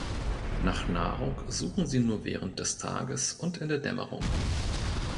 Nach Nahrung suchen sie nur während des Tages und in der Dämmerung.